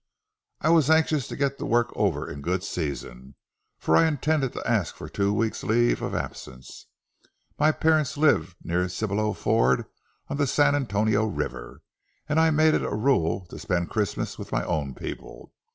I was anxious to get the work over in good season, for I intended to ask for a two weeks' leave of absence. My parents lived near Cibollo Ford on the San Antonio River, and I made it a rule to spend Christmas with my own people.